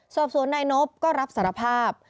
สอบสวนนายนบก็รับสารภาพ